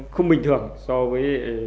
không bình thường so với